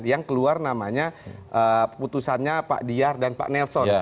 yang keluar namanya putusannya pak diar dan pak nelson